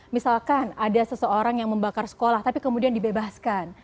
misalkan ada seseorang yang membakar sekolah tapi kemudian dibebaskan